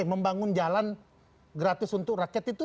membangun jalan gratis untuk rakyat itu